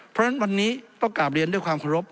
เพราะฉะนั้นวันนี้ต้องกลับเรียนด้วยความเคารพ